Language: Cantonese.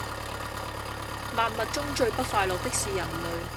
萬物中最不快樂的是人類